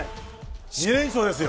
２連勝ですよ。